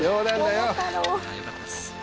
よかったです。